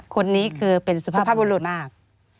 คนนี้คือเป็นสุภาพบุรุษมาก